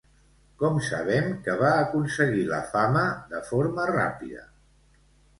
Com sabem que va aconseguir la fama de forma ràpida?